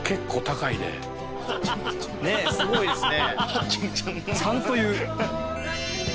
ねえすごいですね。